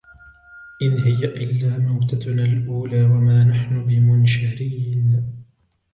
إن هي إلا موتتنا الأولى وما نحن بمنشرين